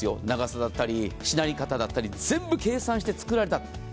長さだったりしなり方だったり全部計算して作られた。